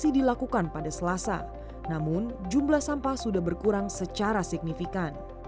masih dilakukan pada selasa namun jumlah sampah sudah berkurang secara signifikan